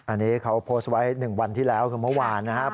อันนี้เขาโพสต์ไว้๑วันที่แล้วคือเมื่อวานนะครับ